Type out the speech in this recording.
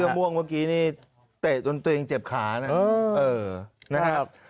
เมื่อม่วงเมื่อกี้เตะจนตัวเองเจ็บขานะ